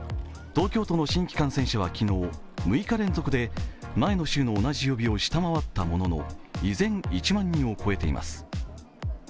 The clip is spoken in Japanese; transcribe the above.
東京都の新規感染者は昨日６日連続で前の週の同じ曜日を下回ったものの依然、１万人を超えています。